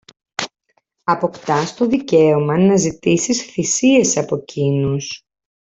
αποκτάς το δικαίωμα να ζητήσεις θυσίες από κείνους